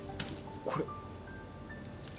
これ。